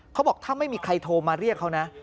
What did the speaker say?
เขาบอกถ้าไม่มีใครโทรมาเรียกเขานะ